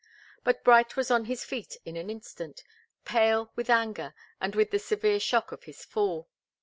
But Bright was on his feet in an instant, pale with anger and with the severe shock of his fall.